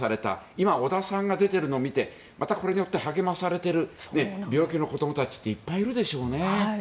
今、小田さんが出ているのを見てまたこれによって励まされている病気の子どもたちっていっぱいいるでしょうね。